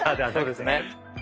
そうですね。